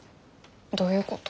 どういうこと？